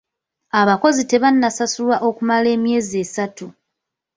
Abakozi tebannasasulwa okumala emyezi esatu.